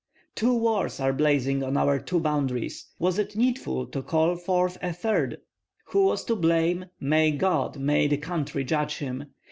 Two wars are blazing on two boundaries; was it needful to call forth a third? Who was to blame, may God, may the country judge him!